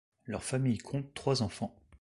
Leur famille compte trois enfants.